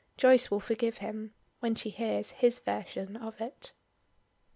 Joyce will forgive him when she hears his version of it.